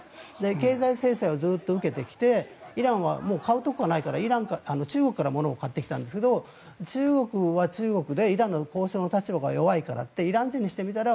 経済制裁をずっと受けてきてイランは買うところがないから中国から物を買ってきたんですが中国は中国でイランの交渉の立場が弱いからってイラン人にしてみたら